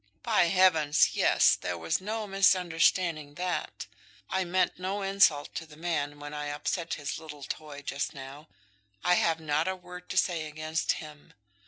By heavens, yes! there was no misunderstanding that. I meant no insult to the man when I upset his little toy just now. I have not a word to say against him.